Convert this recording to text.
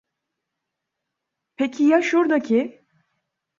Peki, ya şurdaki?